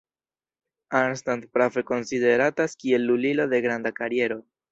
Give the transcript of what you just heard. Arnstadt prave konsideratas kiel lulilo de granda kariero.